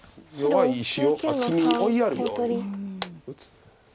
弱い石を厚みに追いやるように打つ。